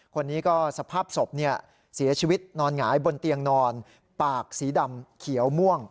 คนนี้ก็สภาพศพเสียชีวิตนอนหงายบนเตียงนอนปากสีดำเขียวม่วง